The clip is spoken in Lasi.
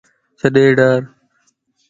ڇڏي ڊار